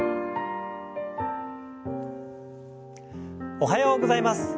おはようございます。